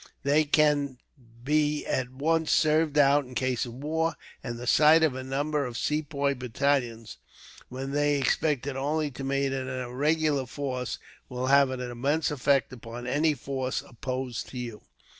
They can be at once served out in case of war, and the sight of a number of Sepoy battalions, where they expected only to meet an irregular force, will have an immense effect upon any force opposed to you."